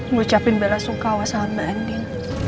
ngucapin berbelasukawa sama andin